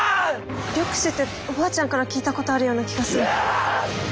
リョクシっておばあちゃんから聞いたことあるような気がする。